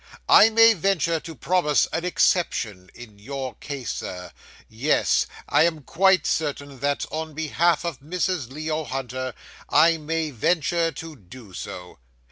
I may venture to promise an exception in your case, sir yes, I am quite certain that, on behalf of Mrs. Leo Hunter, I may venture to do so.